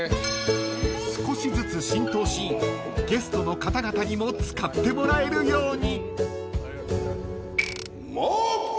［少しずつ浸透しゲストの方々にも使ってもらえるように］